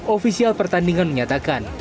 oficial pertandingan menyatakan